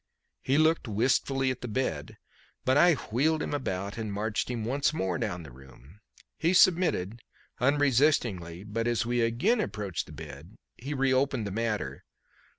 He looked wistfully at the bed, but I wheeled him about and marched him once more down the room. He submitted unresistingly, but as we again approached the bed he reopened the matter.